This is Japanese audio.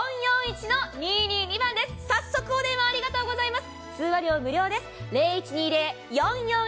早速お電話をありがとうございます。